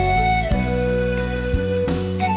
กลับมาเมื่อเวลาที่สุดท้าย